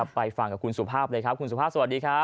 ไปฟังกับคุณสุภาพเลยครับคุณสุภาพสวัสดีครับ